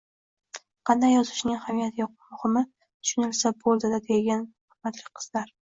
Qanday yozishning ahamiyati yo'q, muhimi tushunilsa bo'ldi-da deydigan, hurmatli qizlar